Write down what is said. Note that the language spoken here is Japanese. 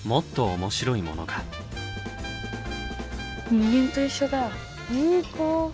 人間と一緒だ。